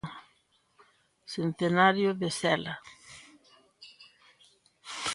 Centenario de Cela.